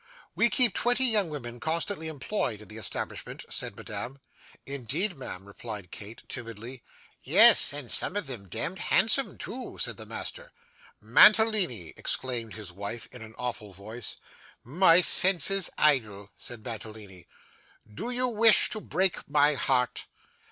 'We keep twenty young women constantly employed in the establishment,' said Madame. 'Indeed, ma'am!' replied Kate, timidly. 'Yes; and some of 'em demd handsome, too,' said the master. 'Mantalini!' exclaimed his wife, in an awful voice. 'My senses' idol!' said Mantalini. 'Do you wish to break my heart?